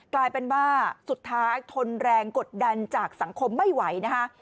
กลายเป็นว่าสุดท้ายทนแรงกดดันจากสังคมไม่ไหวนะคะ